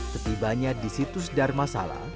ketika di situs darmasala